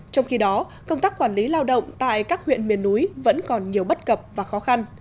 trong khi đó công tác quản lý lao động tại các huyện miền núi vẫn còn nhiều bất cập và khó khăn